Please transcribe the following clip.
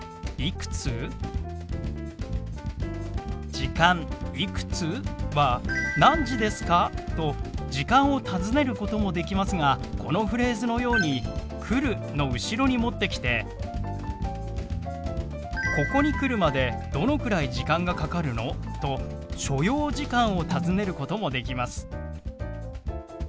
「時間いくつ？」は「何時ですか？」と時間を尋ねることもできますがこのフレーズのように「来る」の後ろに持ってきて「ここに来るまでどのくらい時間がかかるの？」と所要時間を尋ねることもできます。